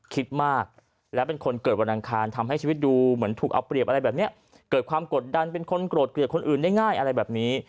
คิดมากแล้วเป็นคนเกิดวันอังคารทำให้ชีวิตดูเหมือนถูกเอาเปรียบอะไรแบบนี้เกิดความกดดันเป็นคนโกรธเกลียดคนอื่นได้ง่ายอะไรแบบนี้